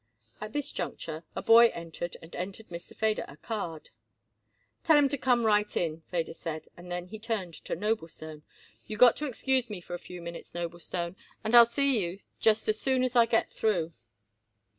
At this juncture a boy entered and handed Mr. Feder a card. "Tell him to come right in," Feder said, and then he turned to Noblestone. "You got to excuse me for a few minutes, Noblestone, and I'll see you just as soon as I get through."